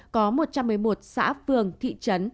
có một trăm một mươi một xã phường thị trấn